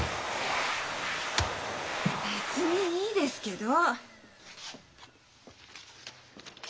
別にいいですけど。